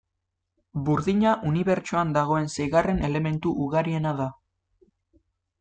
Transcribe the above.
Burdina unibertsoan dagoen seigarren elementu ugariena da.